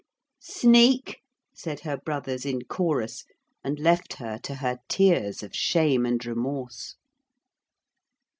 'Sneak!' said her brothers in chorus, and left her to her tears of shame and remorse.